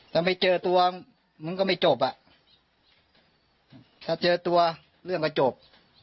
ถ้าไม่เจอตัวมันก็ไม่จบอ่ะถ้าเจอตัวเรื่องก็จบ